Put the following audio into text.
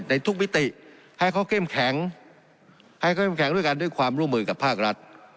ในทุกมิติให้เขาเข้มแข็งให้เขาแข็งด้วยกันด้วยความร่วมมือกับภาครัฐ